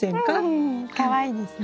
うんかわいいですね。